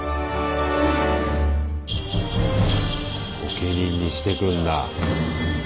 御家人にしてくんだ。